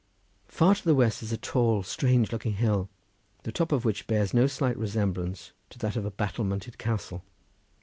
Far to the west is a tall, strange looking hill, the top of which bears no slight resemblance to that of a battlemented castle.